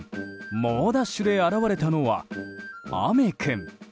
猛ダッシュで現れたのはあめ君。